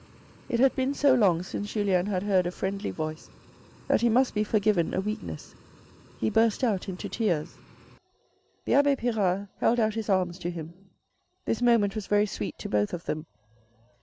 It had been so long since Julien had heard a friendly voice that he must be forgiven a weakness. He burst out into tears. The abbe Pirard held out his arms to him. This moment was very sweet to both of them.